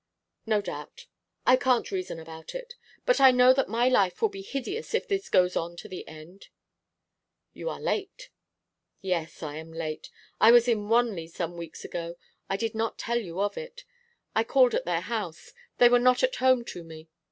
'No doubt. I can't reason about it. But I know that my life will be hideous if this goes on to the end.' 'You are late.' 'Yes, I am late. I was in Wanley some weeks ago; I did not tell you of it. I called at their house; they were not at home to me.